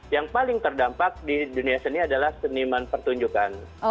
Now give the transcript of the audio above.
yang paling terdampak di dunia seni adalah seniman pertunjukan